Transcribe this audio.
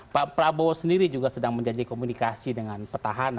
pak prabowo sendiri juga sedang menjanjikan komunikasi dengan petahana